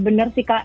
ya bener sih kak